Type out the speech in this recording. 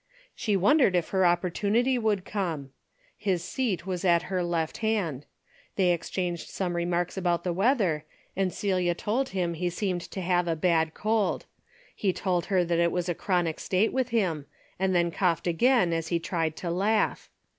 She wondered if her opportunity would come. His seat was at her left hand. They exchanged some remarks about the weather, and Celia told him he seemed to have a bad cold. He told her that was a chronic state with him, and then coughed again as he tried to laugh.